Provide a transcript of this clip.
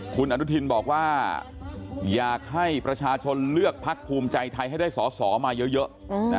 คุณอนุทินบอกว่าอยากให้ประชาชนเลือกพักภูมิใจไทยให้ได้สอสอมาเยอะ